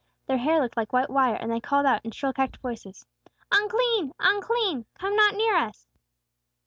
Their hair looked like white wire, and they called out, in shrill, cracked voices, "Unclean! Unclean! Come not near us!"